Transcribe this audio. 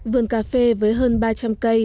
vườn cà phê với hơn ba trăm linh cây